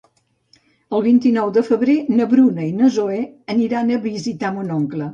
El vint-i-nou de febrer na Bruna i na Zoè aniran a visitar mon oncle.